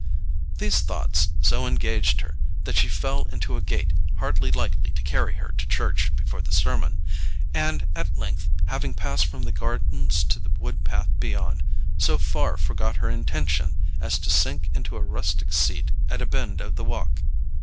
These thoughts so engaged her that she fell into a gait hardly likely to carry her to church before the sermon, and at length, having passed from the gardens to the wood path beyond, so far forgot her intention as to sink into a rustic seat at a bend of the walk.